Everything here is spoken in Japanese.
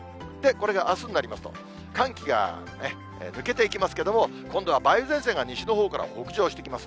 これがあすになりますと、寒気が抜けていきますけれども、今度は梅雨前線が西のほうから北上してきます。